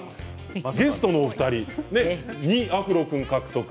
ゲストのお二人２アフロ君獲得。